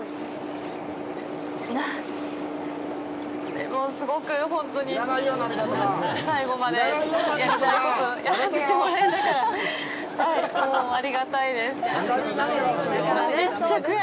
でも、すごく本当に最後までやりたいことやらせてもらえたからもうありがたいです。